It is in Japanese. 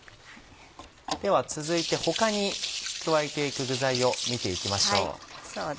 では続いて他に加えていく具材を見ていきましょう。